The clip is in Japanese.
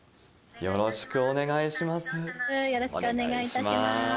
よろしくお願いします。